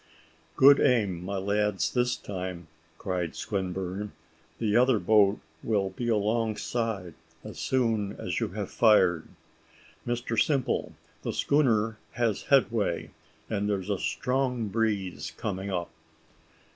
"Good aim, my lads, this time," cried Swinburne; "the other boat will be alongside as soon as you have fired. Mr Simple, the schooner has headway, and there's a strong breeze coming up."